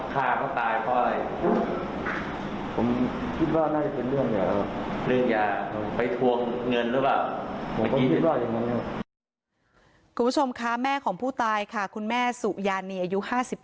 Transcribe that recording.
คุณผู้ชมคะแม่ของผู้ตายค่ะคุณแม่สุยานีอายุ๕๗